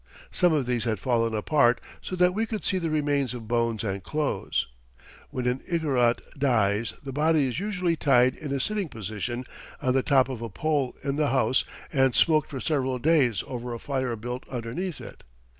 Some of these had fallen apart so that we could see the remains of bones and clothes. When an Igorot dies the body is usually tied in a sitting position on the top of a pole in the house and smoked for several days over a fire built underneath it.